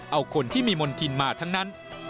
เอาคนที่มีมณฑินมาทั้งนั้น